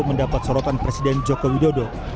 mendapat sorotan presiden joko widodo